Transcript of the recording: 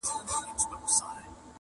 دا چي امیل نه سومه ستا د غاړي ,